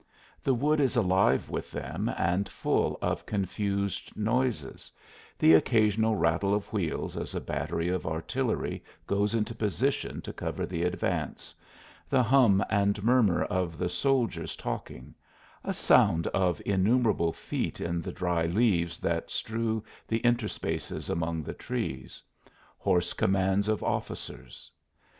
The wood is alive with them, and full of confused noises the occasional rattle of wheels as a battery of artillery goes into position to cover the advance; the hum and murmur of the soldiers talking; a sound of innumerable feet in the dry leaves that strew the interspaces among the trees; hoarse commands of officers.